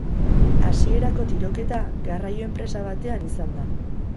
Hasierako tiroketa garraio enpresa batean izan da.